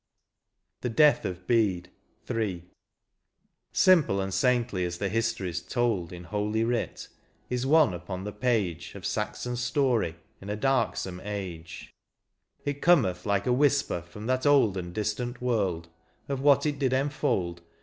THE DEATH OF BEDE. — III SiMPLE and saintly as the histories told In holy writ, is one upon the page Of Saxon story in a darksome age ; It Cometh like a whisper from that old And distant world, of what it did enfold.